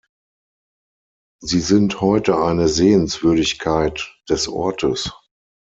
Sie sind heute eine Sehenswürdigkeit des Ortes.